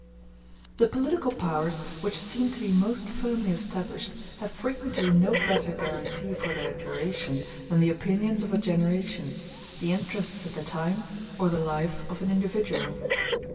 The political powers which seem to be most firmly established have frequently no better guarantee for their duration than the opinions of a generation, the interests of the time, or the life of an individual.